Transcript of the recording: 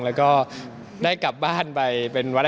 แล้วก็ได้กลับบ้านไปเป็นวัน